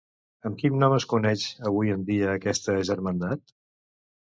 Amb quin nom es coneix avui en dia aquesta germandat?